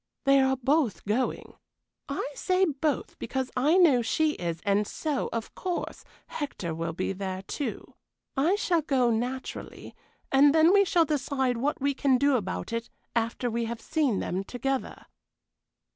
"They are both going. I say both because I know she is, and so, of course, Hector will be there too. I shall go, naturally, and then we can decide what we can do about it after we have seen them together."